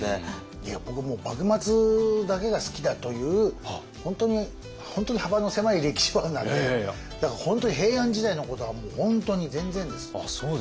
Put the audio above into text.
いや僕もう幕末だけが好きだという本当に幅の狭い歴史ファンなんでだから本当に平安時代のことはもう本当に全然です。